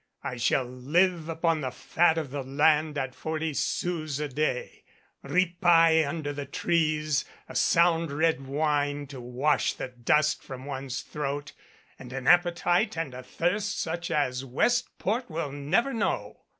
I shall live upon the fat of the land at forty sous a day ripaille under the trees a sound red wine to wash the dust from one's throat and an appetite and a thirst such as Westport will never know.